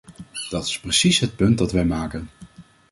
Dat is precies het punt dat wij maken.